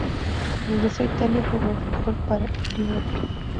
Regresó a Italia y jugó al fútbol para Livorno.